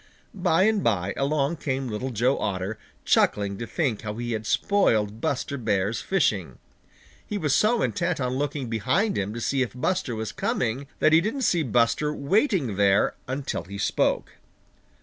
By and by along came Little Joe Otter, chuckling to think how he had spoiled Buster Bear's fishing. He was so intent on looking behind him to see if Buster was coming that he didn't see Buster waiting there until he spoke.